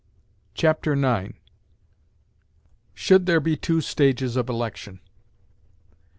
Chapter IX Should there be Two Stages of Election?